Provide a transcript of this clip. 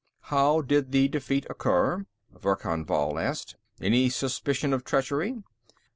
"How did the defeat occur?" Verkan Vall asked. "Any suspicion of treachery?"